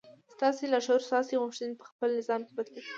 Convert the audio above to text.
ستاسې لاشعور ستاسې غوښتنې په خپل نظام کې بدلوي.